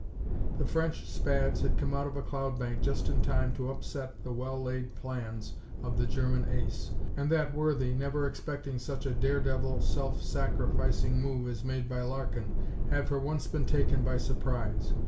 The French Spads had come out of a cloud bank just in time to upset the well laid plans of the German ace, and that worthy, never expecting such a dare devil, self sacrificing move as made by Larkin, had for once been taken by surprise.